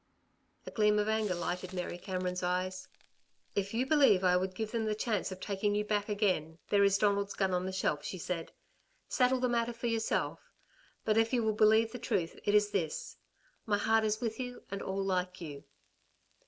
A gleam of anger lighted Mary Cameron's eyes. "If you believe I would give them the chance of taking you back again there is Donald's gun on the shelf," she said. "Settle the matter for yourself. But if you will believe the truth it is this: My heart is with you and all like you."